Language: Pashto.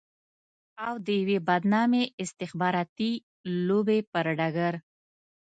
او د يوې بدنامې استخباراتي لوبې پر ډګر.